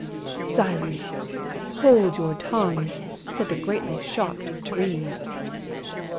"Silence! Hold your tongue!" said the greatly shocked Trees.